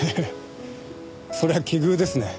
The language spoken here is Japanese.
そりゃ奇遇ですね。